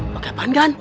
pakai ban kan